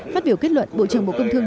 phát biểu kết luận bộ trưởng bộ công thương